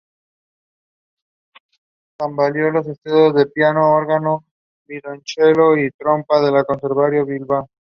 Convalidó sus estudios de piano, órgano, violonchelo y trompa en el Conservatorio de Bilbao.